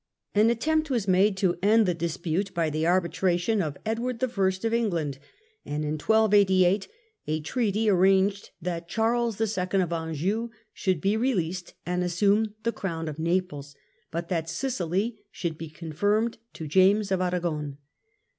An attempt was made to end the dispute by the arbitration of Edward I. of England, and in 1288 a treaty arranged that Charles II. of Anjou should be released and assume the crown of Naples, but that Sicily should be confirmed to James of Aragon.